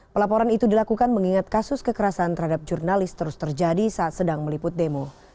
pelaporan itu dilakukan mengingat kasus kekerasan terhadap jurnalis terus terjadi saat sedang meliput demo